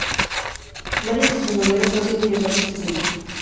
Varias de sus novelas han sido llevadas al cine.